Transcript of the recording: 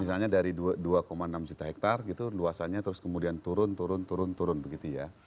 jadi misalnya dari dua enam juta hektare gitu luasannya terus kemudian turun turun turun turun begitu ya